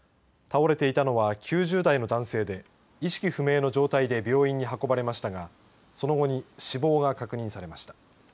倒れていたのは９０代の男性で意識不明の状態で病院に運ばれましたがその後に死亡が確認されました。